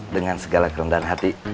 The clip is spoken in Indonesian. dengan segala kerendahan hati